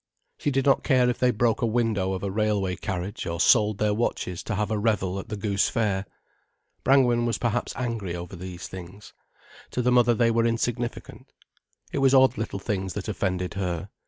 She did not care if they broke a window of a railway carriage or sold their watches to have a revel at the Goose Fair. Brangwen was perhaps angry over these things. To the mother they were insignificant. It was odd little things that offended her.